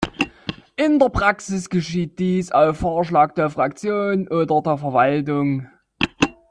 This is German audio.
In der Praxis geschieht dies auf Vorschlag der Fraktionen oder der Verwaltung.